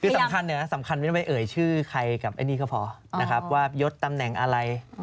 คือสำคัญเนี่ยนะสำคัญไม่ต้องไปเอ่ยชื่อใครกับไอ้นี่ก็พอนะครับว่ายดตำแหน่งอะไร